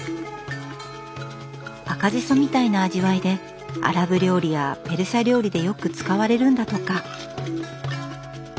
赤じそみたいな味わいでアラブ料理やペルシャ料理でよく使われるんだとか。